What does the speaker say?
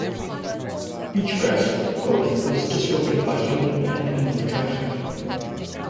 Beachgrass growth is disrupted by human and animal traffic.